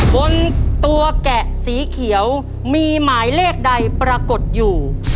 บนตัวแกะสีเขียวมีหมายเลขใดปรากฏอยู่